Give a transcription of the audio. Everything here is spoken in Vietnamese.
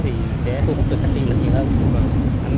thì sẽ thu hút được khách kỳ lực nhiều hơn